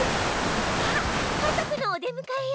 あっ家族のお出むかえよ！